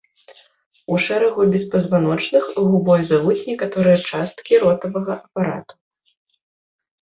У шэрагу беспазваночных губой завуць некаторыя часткі ротавага апарату.